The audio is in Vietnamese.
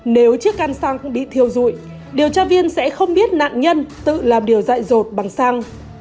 nếu chiếc can xăng bị thiêu rụi điều tra viên sẽ không biết nạn nhân tự làm điều dại dột bằng xăng